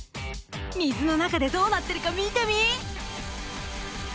水の中でどうなってるか見てみ。